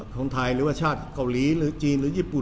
ของไทยหรือว่าชาติเกาหลีหรือจีนหรือญี่ปุ่น